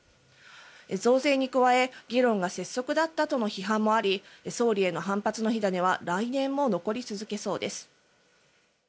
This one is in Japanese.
増税に加え、議論が拙速だったという批判もあり総理への反発の火種は来年も残り続けそうです。